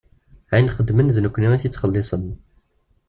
Ayen xeddmen d nekkni i t-yettxellisen.